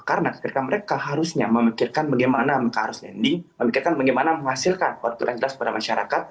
karena mereka harusnya memikirkan bagaimana mereka harus landing memikirkan bagaimana menghasilkan waktu yang jelas kepada masyarakat